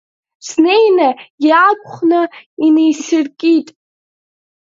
Снеин иаақәхны инеисыркит.